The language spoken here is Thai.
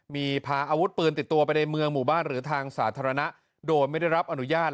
มีพาอาวุธปืนติดตัวไปในเมืองหมู่บ้านหรือทางสาธารณะโดยไม่ได้รับอนุญาต